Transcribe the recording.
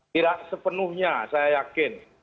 tidak sepenuhnya saya yakin